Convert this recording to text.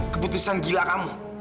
keputusan gila kamu